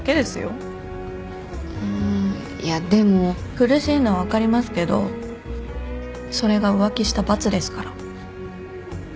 苦しいのは分かりますけどそれが浮気した罰ですから。